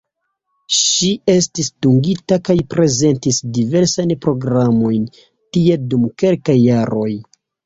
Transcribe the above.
Ŝi estis dungita kaj prezentis diversajn programojn tie dum kelkaj jaroj.